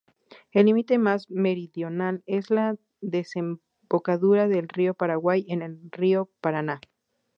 El límite más meridional es la desembocadura del río Paraguay en el río Paraná.